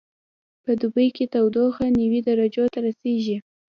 په دوبي کې تودوخه نوي درجو ته رسیږي